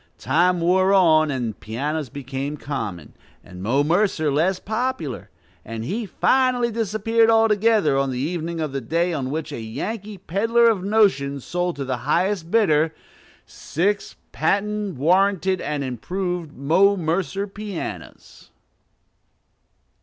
Time wore on, and pianos became common, and Mo Mercer less popular; and he finally disappeared altogether, on the evening of the day on which a Yankee peddler of notions sold to the highest bidder, "six patent, warranted, and improved Mo Mercer pianos."